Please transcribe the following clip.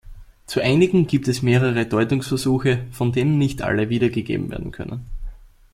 Zu einigen gibt es mehrere Deutungsversuche, von denen nicht alle wiedergegeben werden können.